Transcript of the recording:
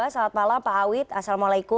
salam pak awid assalamualaikum